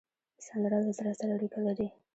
سندره له زړه سره اړیکه لري